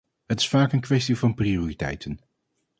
Het is vaak een kwestie van prioriteiten.